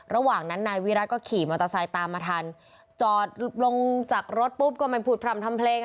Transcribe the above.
ระหว่างนั้นนายวิรัติก็ขี่มอเตอร์ไซค์ตามมาทันจอดลงจากรถปุ๊บก็ไม่ผูดพร่ำทำเพลง